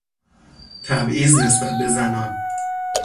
تبعیض نسبت به زنان